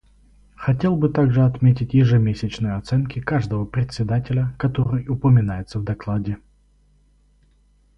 Хотел бы также отметить ежемесячные оценки каждого Председателя, которые упоминаются в докладе.